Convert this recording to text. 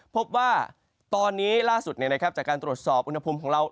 พบว่าตอนนี้ล่าสุดจากการตรวจสอบอุณหภูมิของเรา